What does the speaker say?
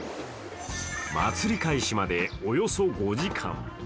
祭り開始まで、およそ５時間。